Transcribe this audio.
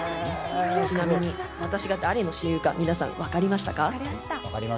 ちなみに私が誰の親友か皆さん、分かりましたか？